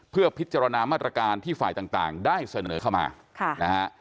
เพื่อพิจารณามาตรการที่ฝ่ายต่างได้เสนอเข้ามานะฮะ